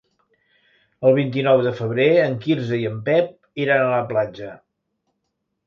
El vint-i-nou de febrer en Quirze i en Pep iran a la platja.